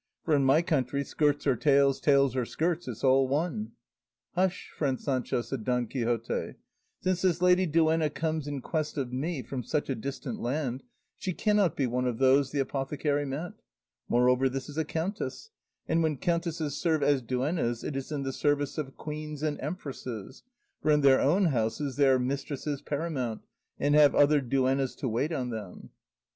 for in my country skirts or tails, tails or skirts, it's all one." "Hush, friend Sancho," said Don Quixote; "since this lady duenna comes in quest of me from such a distant land she cannot be one of those the apothecary meant; moreover this is a countess, and when countesses serve as duennas it is in the service of queens and empresses, for in their own houses they are mistresses paramount and have other duennas to wait on them."